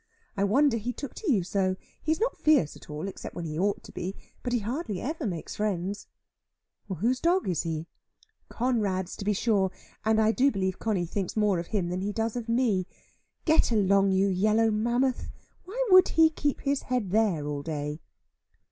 I wonder he took to you so. He is not fierce at all, except when he ought to be; but he hardly ever makes friends." "Whose dog is he?' "Conrad's to be sure. And I do believe Conny thinks more of him than he does of me. Get along, you yellow mammoth! Why he would keep his head there all day?"